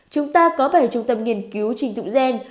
chúng ta có bảy trung tâm nghiên cứu trình thụng gen